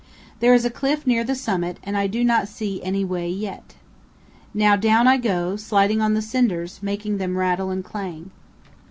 There is a cliff near the summit and I do not see any way yet. Now down I go, sliding on the cinders, making them rattle and clang.